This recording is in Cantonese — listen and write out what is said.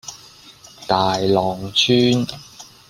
大浪村